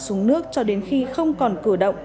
xuống nước cho đến khi không còn cử động